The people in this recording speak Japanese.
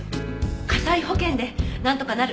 火災保険でなんとかなる！